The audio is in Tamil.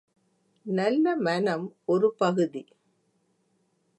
நல்ல மனம் ஒரு பகுதி.